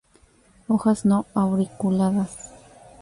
Hojas no auriculadas.